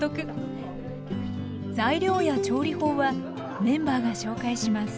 材料や調理法はメンバーが紹介します